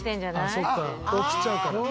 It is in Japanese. そっか起きちゃうから。